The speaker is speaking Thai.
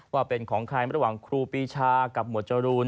ว่าเป็นของใครระหว่างครูปีชากับหมวดจรูน